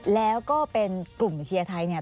แล้วก็เป็นกลุ่มเชียร์ไทยเนี่ย